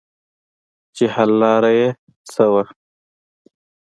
چې حل لاره ئې څۀ ده -